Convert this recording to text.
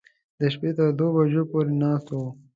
د شپې تر دوو بجو پورې ناست و.